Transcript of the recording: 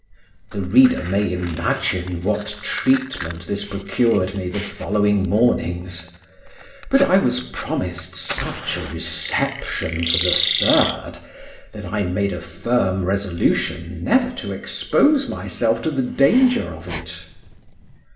The reader may imagine what treatment this procured me the following mornings; but I was promised such a reception for the third, that I made a firm resolution never to expose myself to the danger of it.